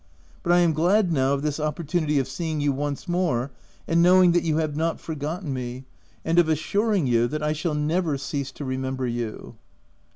But I am glad, now. of this opportunity of seeing you once more and knowing that you have not forgotten me, 324 THE TENANT and of assuring you that I shall never cease to remember you."